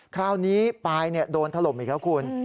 คราวนี้ปลายโดนถล่มอีกแล้วคุณ